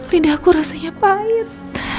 lidahku rasanya pahit